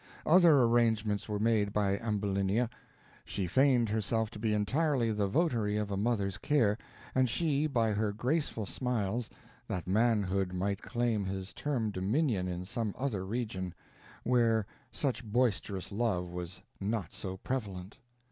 Other arrangements were made by Ambulinia; she feigned herself to be entirely the votary of a mother's care, and she, by her graceful smiles, that manhood might claim his stern dominion in some other region, where such boisterous love was not so prevalent.